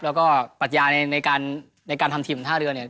แล้วก็ปัญญาในการทำทีมท่าเรือเนี่ย